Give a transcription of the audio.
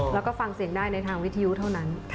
แล้วก็ฟังเสียงได้ในทางวิทยุเท่านั้น